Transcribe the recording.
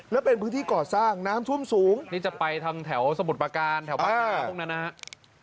แล้วเป็นพื้นที่ก่อสร้างน้ำท่วมสูงนี่จะไปทางแถวสมุทรประการแถวบ้านนาพวกนั้นนะครับ